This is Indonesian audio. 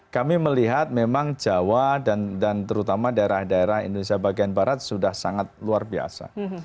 kami melihat memang jawa dan terutama daerah daerah indonesia bagian barat sudah sangat luar biasa